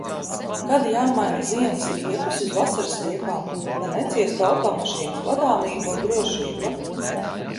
Kad jāmaina ziemas riepas uz vasaras riepām, lai neciestu automašīnas vadāmība un drošība?